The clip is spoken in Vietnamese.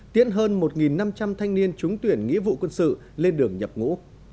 tiễn hơn một năm trăm linh thanh niên trúng tuyển nghĩa vụ quân sự lên đường nhập ngũ